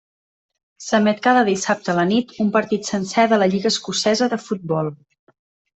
S'emet cada dissabte a la nit un partit sencer de la lliga escocesa de futbol.